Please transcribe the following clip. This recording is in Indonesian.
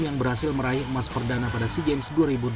yang berhasil meraih emas perdana pada si games